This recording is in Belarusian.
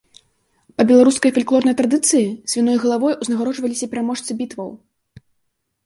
Па беларускай фальклорнай традыцыі, свіной галавой узнагароджваліся пераможцы бітваў.